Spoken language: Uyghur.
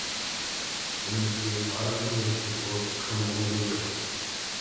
ئىشىنىمىزكى تارىمنىڭ يۈرىكىدىكى ئوت تېخىمۇ ئۇلغىيىدۇ.